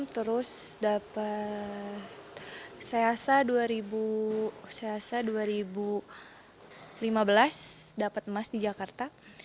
terus dapat seasa dua ribu lima belas dapat emas di jakarta